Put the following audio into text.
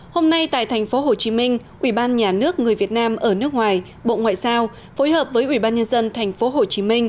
hôm nay tại tp hcm ủy ban nhà nước người việt nam ở nước ngoài bộ ngoại giao phối hợp với ủy ban nhân dân tp hcm